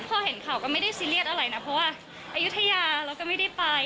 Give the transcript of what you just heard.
พอเห็นข่าวก็ไม่ได้ซีเรียสอะไรนะเพราะว่าอายุทยาเราก็ไม่ได้ไป